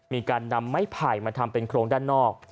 มีการนำไม้ไผ่มาทำเป็นโครงด้านนอก